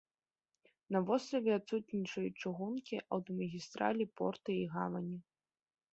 На востраве адсутнічаюць чыгункі, аўтамагістралі, порты і гавані.